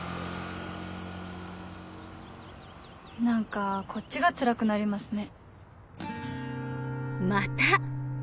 何かこっちがつらくなりますね。